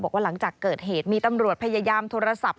บอกว่าหลังจากเกิดเหตุมีตำรวจพยายามโทรศัพท์